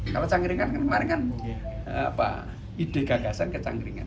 kalau cangkringan kan kemarin kan ide gagasan ke cangkringan